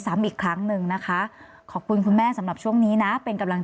ซ้ำอีกครั้งหนึ่งนะคะขอบคุณคุณแม่สำหรับช่วงนี้นะเป็นกำลัง